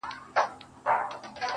خيال ويل ه مـا پــرې وپاسه.